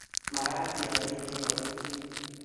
Magaat iyay kiiy neboiboichini